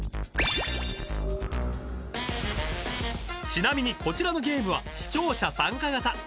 ［ちなみにこちらのゲームは視聴者参加型］